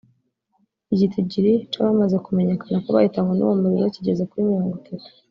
Igitigiri c'abamaze kumenyekana ko bahitanywe n'uwo muriro kigeze kuri mirongo itatu